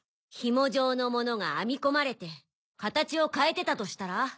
ヒモ状のものが編み込まれて形を変えてたとしたら？